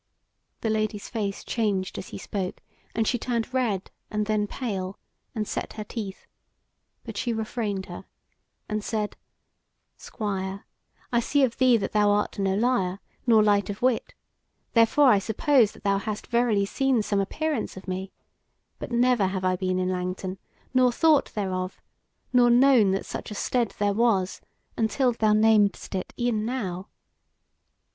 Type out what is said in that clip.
The Lady's face changed as he spoke, and she turned red and then pale, and set her teeth; but she refrained her, and said: "Squire, I see of thee that thou art no liar, nor light of wit, therefore I suppose that thou hast verily seen some appearance of me; but never have I been in Langton, nor thought thereof, nor known that such a stead there was until thou namedst it e'en now.